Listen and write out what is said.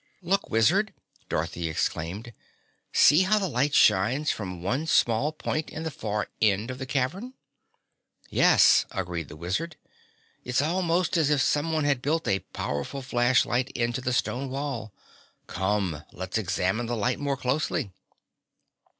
"Look, Wizard," Dorothy exclaimed. "See how the light shines from one small point in the far end of the cavern?" "Yes," agreed the Wizard, "it's almost as if someone had built a powerful flashlight into the stone wall. Come, let's examine the light more closely."